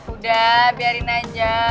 udah biarin aja